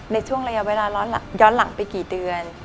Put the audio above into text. ในช่วงระยะเวลาย้อนหลังไปกี่เดือน